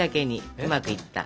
うまくいった。